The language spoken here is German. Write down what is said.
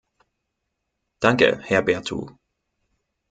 Danke, Herr Berthu.